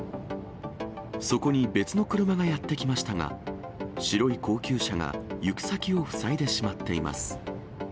そこに別の車がやって来ましたが、白い高級車が行く先を塞いでしまっています。